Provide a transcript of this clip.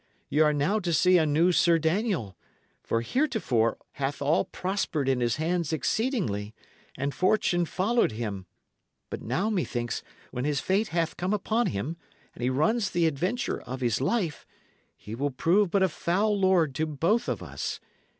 Y' are now to see a new Sir Daniel; for heretofore hath all prospered in his hands exceedingly, and fortune followed him; but now, methinks, when his fate hath come upon him, and he runs the adventure of his life, he will prove but a foul lord to both of us.